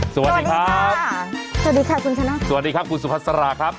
สวัสดีครับสวัสดีค่ะสวัสดีค่ะคุณชนะสวัสดีครับคุณสุภัสราครับ